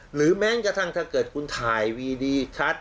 หรือแม้กระทั่งถ้าเกิดคุณถ่ายวีดีชัด